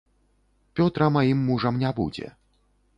Пётра маім мужам не будзе.